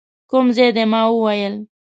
کوم ځای دی؟ ما وویل.